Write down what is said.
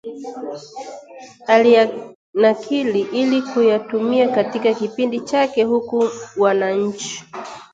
aliyanakili ili kuyatumia katika kipindi chake huku wananchi